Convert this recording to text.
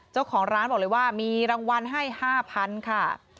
เจ้าของร้านบอกเลยว่ามีรางวัลให้๕๐๐๐ค่ะ